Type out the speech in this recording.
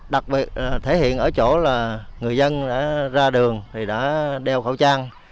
đặc biệt thể hiện ở chỗ là người dân đã ra đường thì đã đeo khẩu trang